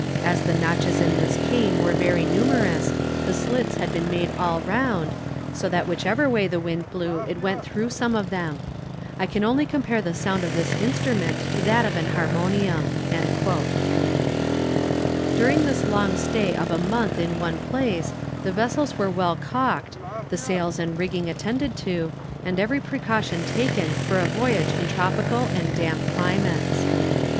As the notches in this cane were very numerous, the slits had been made all round, so that whichever way the wind blew it went through some of them. I can only compare the sound of this instrument to that of an harmonium." During this long stay of a month in one place the vessels were well caulked, the sails and rigging attended to, and every precaution taken for a voyage in tropical and damp climates.